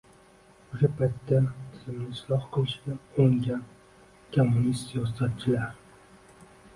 o‘sha paytda tizimni isloh qilishga uringan kommunist siyosatchilar